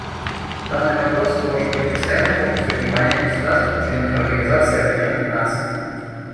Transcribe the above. Данный вопрос должен быть в постоянном фокусе внимания государств — членов Организации Объединенных Наций.